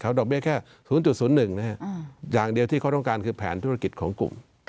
ดอกเบี้แค่๐๐๑อย่างเดียวที่เขาต้องการคือแผนธุรกิจของกลุ่ม